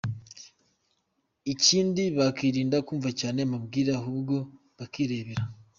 Ikindi bakirinda kumva cyane amabwire, ahubwo bakirebera.